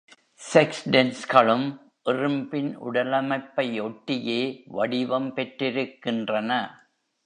“sexdens”களும் எறும்பின் உடலமைப்பை ஒட்டியே வடிவம் பெற்றிருக்கின்றன.